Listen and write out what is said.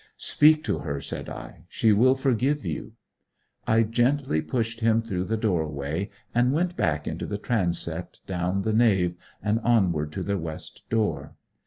'Speak to her,' said I. 'She will forgive you.' I gently pushed him through the doorway, and went back into the transept, down the nave, and onward to the west door.